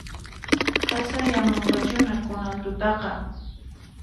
Qasayamunqachuhina kunan tutaqa